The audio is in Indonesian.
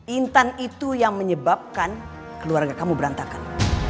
intan itu yang menyebabkan keluarga kamu berantakan